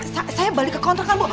saya balik ke kontrakan bu